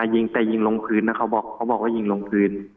อ่ายิงแต่ยิงลงพื้นนะเขาบอกว่ายิงลงพื้น